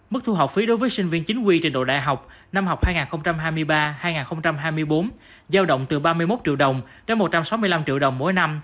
mức thu học phí đối với sinh viên chính quy trên đội đại học năm học hai nghìn hai mươi ba hai nghìn hai mươi bốn giao động từ ba mươi một triệu đồng đến một trăm sáu mươi năm triệu đồng mỗi năm